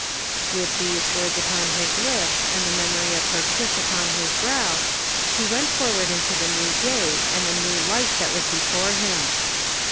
" With these words upon his lips and the memory of her kiss upon his brow he went forward into the new day and the new life that was before him.